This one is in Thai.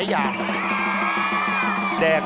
สวัสดีค่ะ